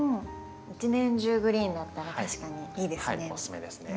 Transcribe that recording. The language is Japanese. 一年中グリーンだったら確かにいいですね。